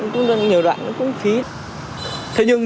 cũng là nhiều đoạn cũng phí